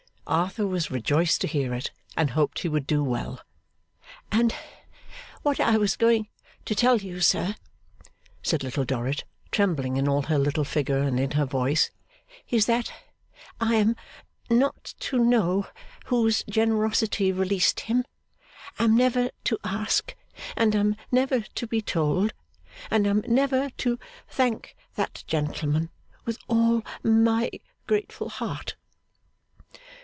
Arthur was rejoiced to hear it, and hoped he would do well. 'And what I was going to tell you, sir,' said Little Dorrit, trembling in all her little figure and in her voice, 'is, that I am not to know whose generosity released him am never to ask, and am never to be told, and am never to thank that gentleman with all my grateful heart!